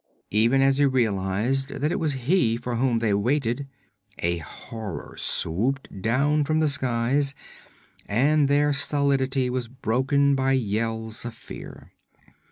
Even as he realized that it was he for whom they waited, a horror swooped down from the skies and their stolidity was broken by yells of fear.